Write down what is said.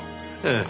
ええ。